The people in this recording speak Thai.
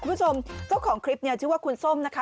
คุณผู้ชมเจ้าของคลิปเนี่ยชื่อว่าคุณส้มนะคะ